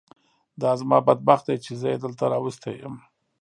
دا زما بد بخت دی چې زه یې دلته راوستی یم.